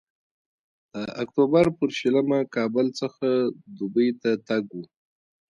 د اکتوبر پر شلمه کابل څخه دوبۍ ته تګ و.